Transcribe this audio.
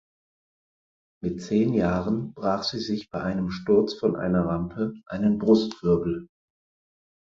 Mit zehn Jahren brach sie sich bei einem Sturz von einer Rampe einen Brustwirbel.